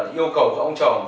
yêu cầu của ông chồng